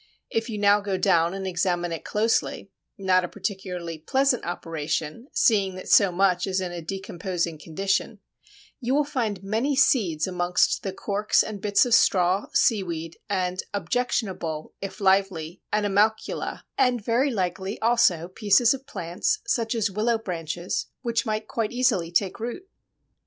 If you now go down and examine it closely (not a particularly pleasant operation, seeing that so much is in a decomposing condition) you will find many seeds amongst the corks and bits of straw, seaweed, and objectionable, if lively, animalcula, and very likely also pieces of plants, such as willow branches, which might quite easily take root.